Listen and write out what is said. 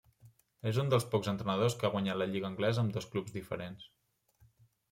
És un dels pocs entrenadors que ha guanyat la lliga anglesa amb dos clubs diferents.